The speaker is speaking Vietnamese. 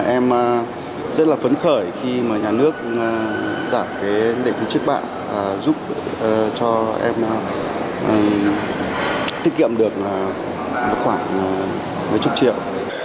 em rất là phấn khởi khi nhà nước giảm định trước bã giúp cho em tiết kiệm được khoảng một mươi triệu